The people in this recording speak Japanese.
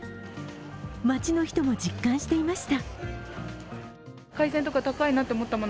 街の人も実感していました。